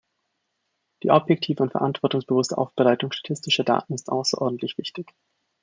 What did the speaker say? Die objektive und verantwortungsbewusste Aufbereitung statistischer Daten ist außerordentlich wichtig.